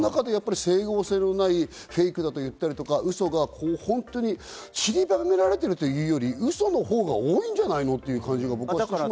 その中で整合性のないフェイクだと言ったりとか、嘘が本当に散りばめられているというより、嘘のほうが多いんじゃないのという感じがしてしまうんだけど。